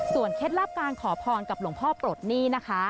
เคล็ดลับการขอพรกับหลวงพ่อปลดหนี้นะคะ